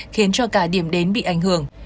khiến cho cả điểm đến bị ảnh hưởng